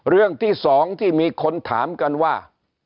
เรื่องที่๒ที่มีคนถามกันว่า